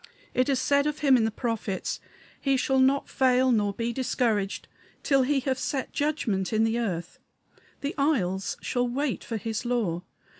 It is said of him in the prophets: "He shall not fail nor be discouraged till he have set judgment in the earth. The isles shall wait for his law.